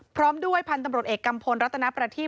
พร้อมด้วยพันธุ์ตำรวจเอกกัมพลรัตนประทีพ